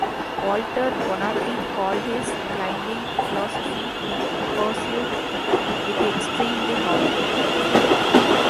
Walter Bonatti called his climbing philosophy "The pursuit with the extremely hard".